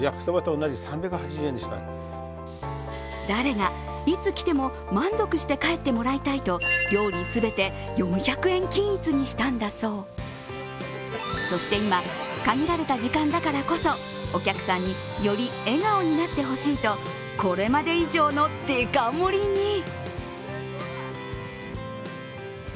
誰が、いつ来ても満足して帰ってもらいたいと料理全て４００円均一にしたんだそうそして今、限られた時間だからこそお客さんに、より笑顔になってほしいとこれまで以上のデカ盛りに。